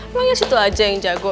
emangnya situ aja yang jago